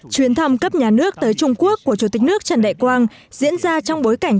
chuyến thăm cấp nhà nước tới trung quốc của chủ tịch nước trần đại quang diễn ra trong bối cảnh